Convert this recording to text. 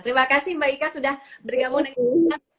terima kasih mbak ika sudah bergabung dengan kita